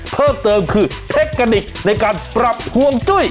เพิ่มเติมคือเทคนิคในการปรับฮวงจุ้ย